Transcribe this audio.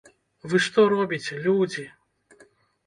Вы што робіце, людзі?